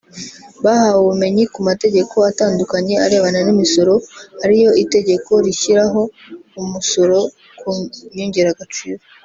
Bahawe ubumenyi ku mategeko atandukanye arebana n’imisoro ariyo itegeko rishyiraho umusoro ku nyongeragaciro